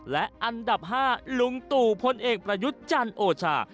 และอันดับ๕ลุงตู่พลเอกประยุทธ์จันทร์โอชา